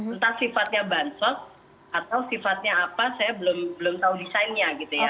entah sifatnya bansos atau sifatnya apa saya belum tahu desainnya gitu ya